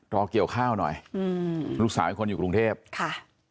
เกี่ยวข้าวหน่อยอืมลูกสาวเป็นคนอยู่กรุงเทพค่ะ